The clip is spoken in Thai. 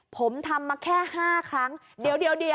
ผมทำมาแค่๕ครั้งเดี๋ยว